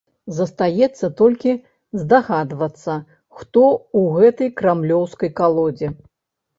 Застаецца толькі здагадвацца, хто ў гэтай крамлёўскай калодзе.